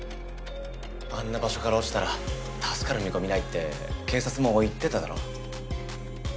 あんな場所から落ちたら助かる見込みないって警察も言ってただろ。